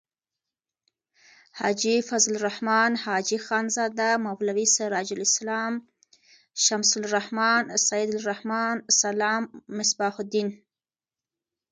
حاجی فضل الرحمن. حاجی خانزاده. مولوی سراج السلام. شمس الرحمن. سعیدالرحمن.سلام.مصباح الدین